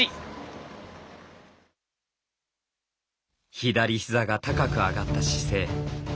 左膝が高く上がった姿勢。